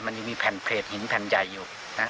มันยังมีแผ่นเพลตหินแผ่นใหญ่อยู่นะ